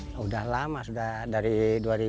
kepala kepala kepala kepala kepala